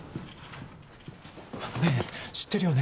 ねえ知ってるよね